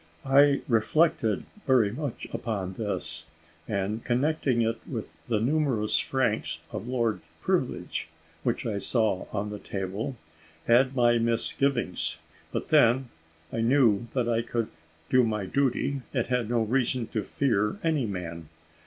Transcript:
I reflected very much upon this, and connecting it with the numerous franks of Lord Privilege which I saw on the table, had my misgivings; but then I knew that I could do my duty, and had no reason to fear any man.